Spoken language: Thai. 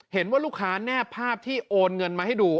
เห็นว่าลูกค้าแนบภาพที่โอนเงินมาให้ดู